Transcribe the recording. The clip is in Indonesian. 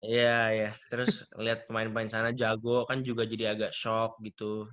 iya ya terus lihat pemain pemain sana jago kan juga jadi agak shock gitu